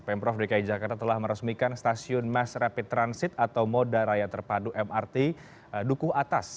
pemprov dki jakarta telah meresmikan stasiun mass rapid transit atau moda raya terpadu mrt dukuh atas